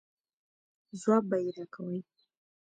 ځواب به یې راکوئ.